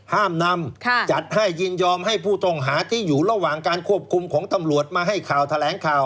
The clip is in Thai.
ห้ามนำจัดให้ยินยอมให้ผู้ต้องหาที่อยู่ระหว่างการควบคุมของตำรวจมาให้ข่าวแถลงข่าว